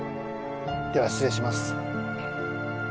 では失礼します。